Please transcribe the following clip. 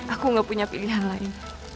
aku gak punya pilihan lain